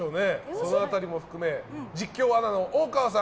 その辺りも含め実況アナの大川さん